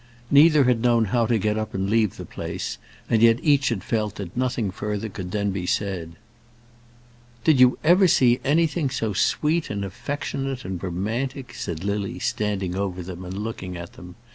Neither had known how to get up and leave the place, and yet each had felt that nothing further could then be said. "Did you ever see anything so sweet and affectionate and romantic?" said Lily, standing over them and looking at them.